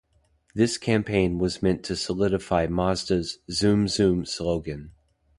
This campaign was meant to solidify Mazda's "Zoom Zoom" slogan.